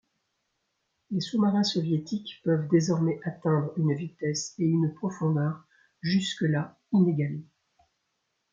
Les sous-marins soviétiques peuvent désormais atteindre une vitesse et une profondeur jusque-là inégalées.